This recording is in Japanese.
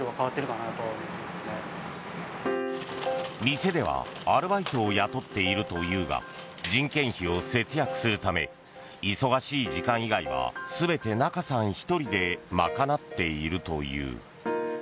店ではアルバイトを雇っているというが人件費を節約するため忙しい時間以外は全て中さん１人で賄っているという。